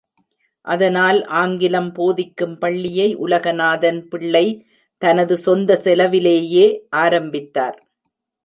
அதனால் ஆங்கிலம் போதிக்கும் பள்ளியை உலகநாதன் பிள்ளை தனது சொந்த செலவிலேயே ஆரம்பித்தார்.